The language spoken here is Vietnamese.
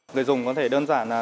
người dùng có thể đơn giản là